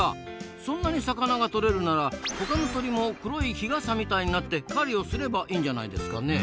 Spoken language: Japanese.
そんなに魚がとれるならほかの鳥も黒い日傘みたいになって狩りをすればいいんじゃないですかねえ？